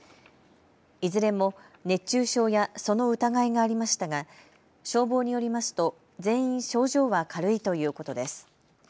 いずれも熱中症やその疑いがありましたが消防によりますと全員、症状は軽いということです。